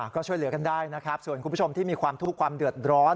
ก็ช่วยเหลือกันได้นะครับส่วนคุณผู้ชมที่มีความทุกข์ความเดือดร้อน